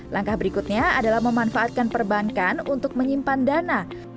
langkah berikutnya adalah memanfaatkan perbankan untuk menyimpan dana